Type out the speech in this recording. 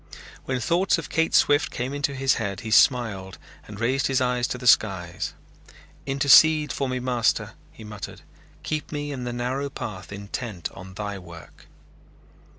When thoughts of Kate Swift came into his head, he smiled and raised his eyes to the skies. "Intercede for me, Master," he muttered, "keep me in the narrow path intent on Thy work."